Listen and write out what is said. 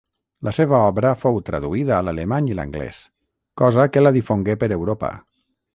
La seva obra fou traduïda a l'alemany i l'anglès, cosa que la difongué per Europa.